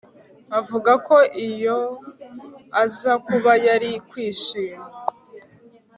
Avuga ko iyo aza kuba yari kwishima